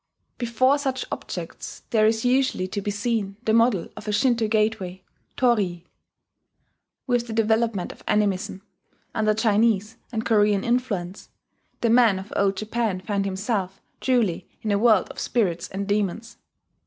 Before such objects there is usually to be seen the model of a Shinto gateway, torii.... With the development of animism, under Chinese and Korean influence, the man of Old Japan found himself truly in a world of spirits and demons.